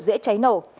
dễ cháy nổ